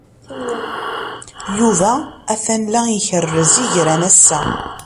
Yuba atan la ikerrez igran ass-a.